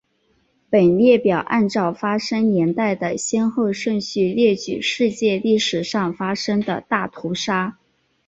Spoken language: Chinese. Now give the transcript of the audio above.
本列表按照发生年代的先后顺序列举世界历史上发生的大屠杀。